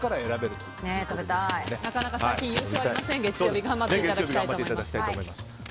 なかなか最近、月曜日は優勝がありませんので頑張っていただきたいと思います。